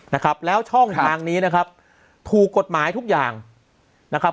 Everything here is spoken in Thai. นะครับแล้วช่องทางนี้นะครับถูกกฎหมายทุกอย่างนะครับ